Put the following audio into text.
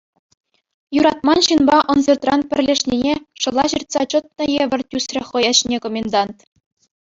Юратман ҫынпа ӑнсӑртран пӗрлешнине шӑла ҫыртса чӑтнӑ евӗр тӳсрӗ хӑй ӗҫне комендант.